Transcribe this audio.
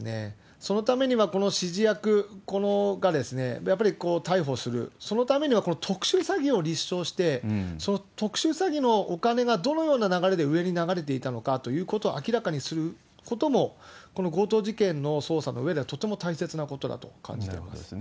そのためには、これは指示役、やっぱり逮捕する、そのためには、この特殊詐欺を立証して、その特殊詐欺のお金がどのような流れで上に流れていたのかということを明らかにすることも、この強盗事件の捜査のうえでは、とても大切なことだと感じていまなるほどですね。